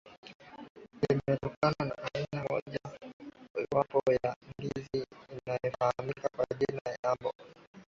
limetokana na aina moja wapo ya ndizi inayofahamika kwa jina la Enyambo